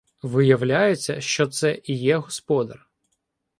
Виявляється, що це і є господар.